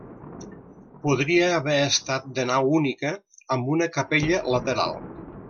Podria haver estat de nau única, amb una capella lateral.